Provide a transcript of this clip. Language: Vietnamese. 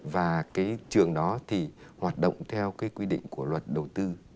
và cái trường đó thì hoạt động theo cái quy định của luật đầu tư